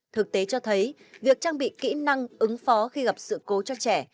thực tế cho thấy việc trang bị kỹ năng ứng phó khi gặp sự cố cho trẻ